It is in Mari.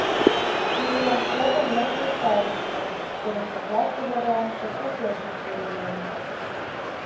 Шым ияшем годым мый Швейцарийыште, курык коклаште верланыше пу пӧртыштӧ иленам.